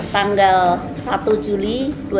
tanggal satu juli dua ribu lima belas